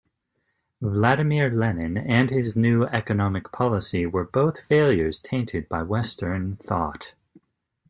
Vladimir Lenin and his New Economic Policy were both failures tainted by Western thought.